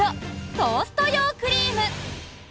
トースト用クリーム。